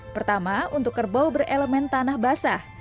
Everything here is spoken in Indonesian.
pertama untuk kerbau berelemen tanah basah